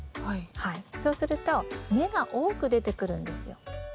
そうすると根が多く出てくるんですよ。